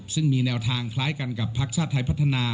ซึ่งมีแนวทางคล้ายกันกับพักชาติไทยพัฒนา